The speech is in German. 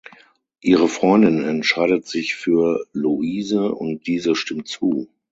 Ihre Freundin entscheidet sich für Louise und diese stimmt zu.